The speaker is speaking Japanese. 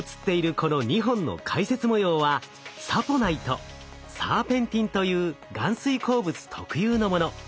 この２本の回折模様はサポナイトサーペンティンという含水鉱物特有のもの。